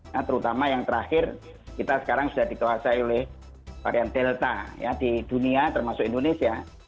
nah terutama yang terakhir kita sekarang sudah dikuasai oleh varian delta ya di dunia termasuk indonesia